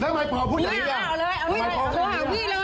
ทำไมพอพูดอย่างนี้ล่ะ